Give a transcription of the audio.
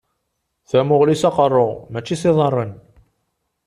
Tamuɣli s aqeṛṛu, mačči s iḍaṛṛen.